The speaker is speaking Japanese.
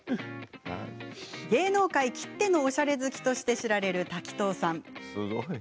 芸能界きっての、おしゃれ好きとして知られる滝藤さん。